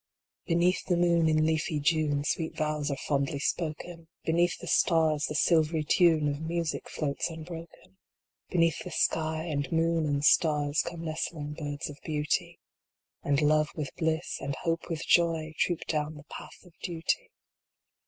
Beneath the moon in leafy June, Sweet vows are fondly spoken ; Beneath the stars, the silvery tune Of music floats unbroken. Beneath the sky, and moon and stars, Come nestling birds of beauty, And Love with Bliss, and Hope with Joy Troop down the path of duty.